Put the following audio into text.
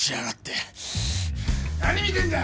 何見てんだ！